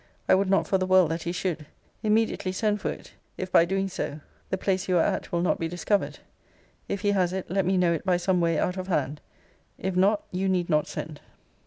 I would not for the world [that he should.] Immediately send for it, if, by doing so, the place you are at [will not be] discovered. If he has it, let me know it by some way [out of] hand. If not, you need not send.